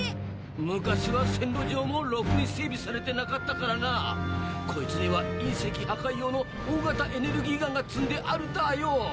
昔は線路上もロクに整備されてなかったからなこいつには隕石破壊用の大型エネルギーガンが積んであるだあよ。